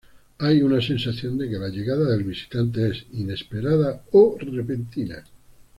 Hay una sensación de que la llegada del visitante es inesperada o repentina.